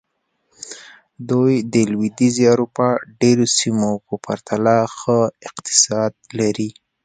دوی د لوېدیځې اروپا ډېرو سیمو په پرتله ښه اقتصاد لري.